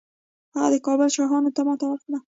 هغه د کابل شاهانو ته ماتې ورکړه